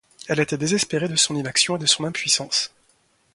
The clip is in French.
Elle était désespérée de son inaction et de son impuissance.